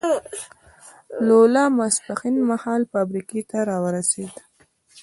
لولا ماسپښین مهال فابریکې ته را ورسېد.